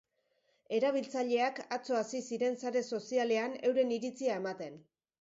Erabiltzaileak atzo hasi ziren sare sozialean euren iritzia ematen.